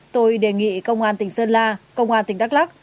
tôi đề nghị công an tỉnh sơn la công an tỉnh đắk lắc